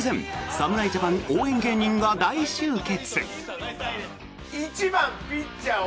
侍ジャパン応援芸人が大集結！